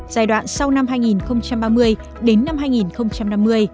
giai đoạn sau năm hai nghìn ba mươi đến năm hai nghìn năm mươi